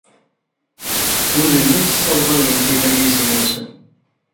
Ur llin ssaẓayen tibalizin-nsen.